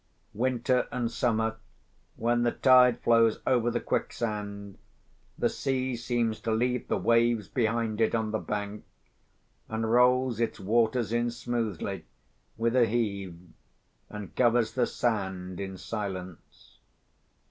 Winter and summer, when the tide flows over the quicksand, the sea seems to leave the waves behind it on the bank, and rolls its waters in smoothly with a heave, and covers the sand in silence.